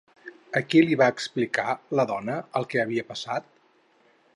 A qui li va explicar la dona el que havia passat?